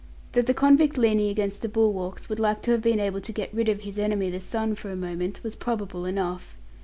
That the convict leaning against the bulwarks would like to have been able to get rid of his enemy the sun for a moment, was probable enough.